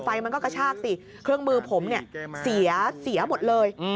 มันก็กระชากสิเครื่องมือผมเนี่ยเสียหมดเลย